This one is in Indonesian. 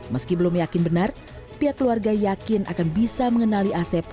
meski belum yakin benar pihak keluarga yakin akan bisa mengenali asep